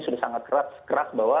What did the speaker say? sudah sangat keras bahwa